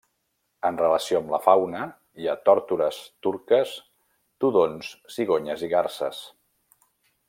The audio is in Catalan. En relació amb la fauna, hi ha tórtores turques, tudons, cigonyes i garses.